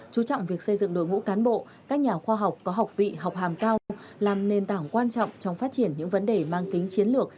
chú trọng việc xây dựng đội ngũ cán bộ các nhà khoa học có học vị học hàm cao làm nền tảng quan trọng trong phát triển những vấn đề mang tính chiến lược